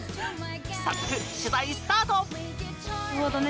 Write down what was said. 早速、取材スタート。